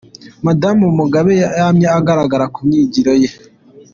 Madamu Mugabe yamye ahagarara ku myigire ye.